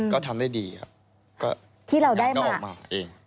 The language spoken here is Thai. ก็ทำได้ดีครับก็งานก็ออกมาเอง